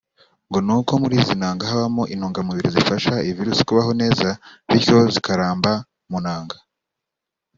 ngo ni uko muri izi ntanga habamo intungamubiri zifasha iyi virus kubaho neza bityo zikaramba mu ntanga